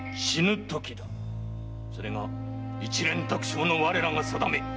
それが一蓮托生の我らが定め！